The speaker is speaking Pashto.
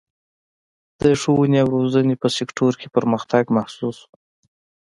د ښوونې او روزنې په سکتور کې پرمختګ محسوس و.